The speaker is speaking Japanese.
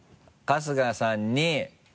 春日さん！